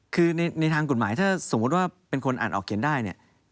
ครูอย่างที่แห่งคุณหมายสมมุติว่าเป็นคนอ่านออกเขียนได้เนี่ย